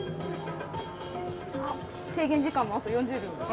制限時間もあと４０秒。